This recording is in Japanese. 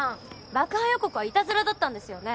爆破予告はいたずらだったんですよね？